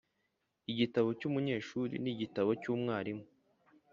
Igitabo cy’umunyeshuri n’igitabo cy’umwarimu